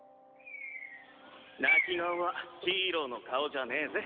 泣き顔はヒーローの顔じゃねぇぜ。